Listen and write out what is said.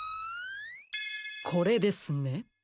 これですね。